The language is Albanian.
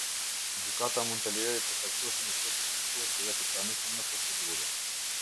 Gjykata mund të lejojë përfaqësuesin e shtetit kërkues të jetë i pranishëm në procedurë.